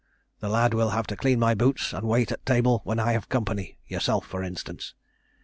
The lad will have to clean my boots, and wait at table when I have company yourself, for instance.